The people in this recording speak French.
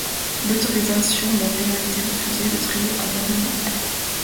L'autorisation leur ayant été refusée, le trio abandonne l'École.